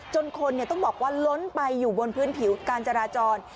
จนคนต้องบอกว่าล้นไปอยู่บนพื้นผิวการจราจร